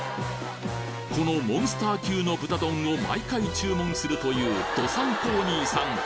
このモンスター級の豚丼を毎回注文するという道産子お兄さん